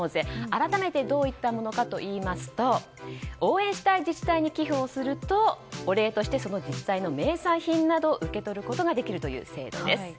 改めてどういったものかといいますと応援したい自治体に寄付をするとお礼としてその自治体の名産品などを受け取ることができる制度です。